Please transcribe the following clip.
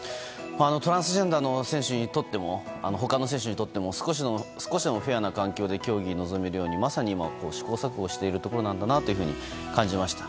トランスジェンダーの選手にとっても他の選手にとっても少しでもフェアな環境で競技に臨めるようにまさに試行錯誤しているところなんだと思いました。